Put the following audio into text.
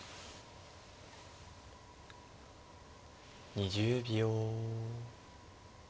２０秒。